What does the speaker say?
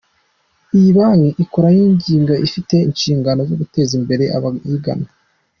Iyi banki ikora nk’iyigenga ifite inshingano zo guteza imbere abayigana.